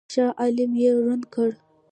شاه عالم یې ړوند کړ.